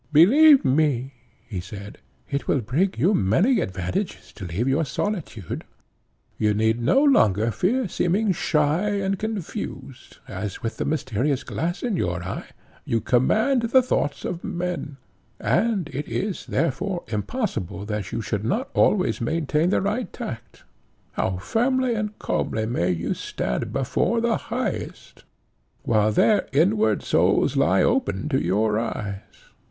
"Believe me," he said, "it will bring you many advantages to leave your solitude. You need no longer fear seeming shy and confused, as, with the mysterious glass in your eye, you command the thoughts of men, and it is, therefore, impossible that you should not always maintain the right tact. How firmly and calmly may you stand before the highest, while their inward souls lie open to your eyes.